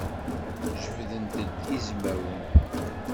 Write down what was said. Jebdent-d izmamen.